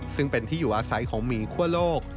ซึ่งเป็นที่อยู่อาศัยของหมีคั่วโลก